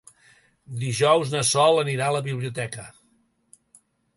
Dijous na Sol anirà a la biblioteca.